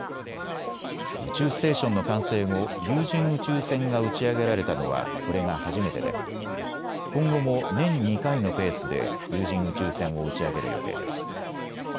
宇宙ステーションの完成後、有人宇宙船が打ち上げられたのはこれが初めてで今後も年２回のペースで有人宇宙船を打ち上げる予定です。